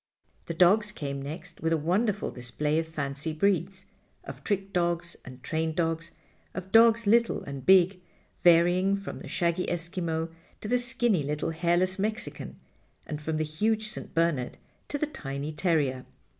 The dogs came next with a wonderful display of fancy breeds, of trick dogs and trained dogs, of dogs little and big, varying from the shaggy Eskimo to the skinny little hairless Mexican, and from the huge St. Bernard to the tiny terrier.